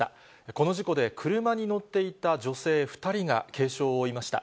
この事故で車に乗っていた女性２人が軽傷を負いました。